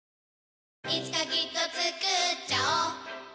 いつかきっとつくっちゃおう